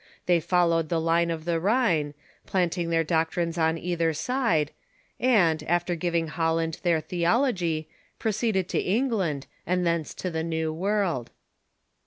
They followed the line of the Rhine, plant ing their doctrines on either side, and, after giving Holland their theology, proceeded to England and thence to the New AVorld.